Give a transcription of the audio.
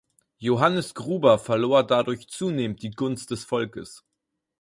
Johannes Gruber verlor dadurch zunehmend die Gunst des Volkes.